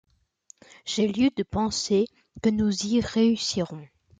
J’ai lieu de penser que nous y réussirons.